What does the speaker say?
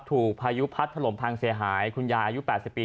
พายุพัดถล่มพังเสียหายคุณยายอายุ๘๐ปี